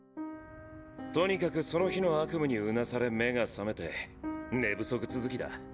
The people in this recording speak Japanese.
とにかくその日の悪夢にうなされ目が覚めて寝不足続きだ。